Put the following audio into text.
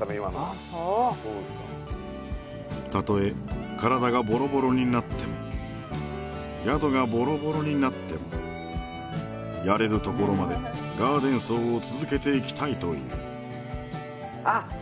今のはそうですかたとえ体がボロボロになっても宿がボロボロになってもやれるところまでガーデン荘を続けていきたいというあっ